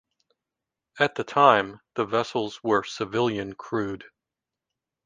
At the time the vessels were civilian crewed.